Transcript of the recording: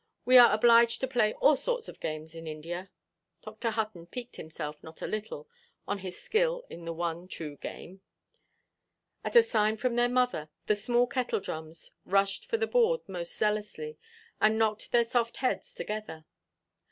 We are obliged to play all sorts of games in India." Dr. Hutton piqued himself not a little on his skill in the one true game. At a sign from their mother, the small Kettledrums rushed for the board most zealously, and knocked their soft heads together. Mrs.